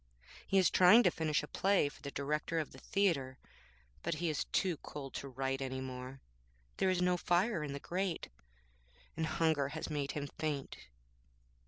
He is trying to finish a play for the Director of the Theatre, but he is too cold to write any more. There is no fire in the grate, and hunger has made him faint.'